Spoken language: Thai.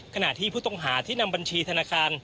ขณะที่ผู้ต้องหาที่นำบัญชีธนาคาร